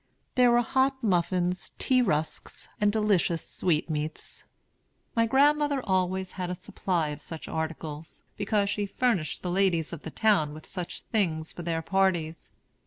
There were hot muffins, tea rusks, and delicious sweetmeats. My grandmother always had a supply of such articles, because she furnished the ladies of the town with such things for their parties.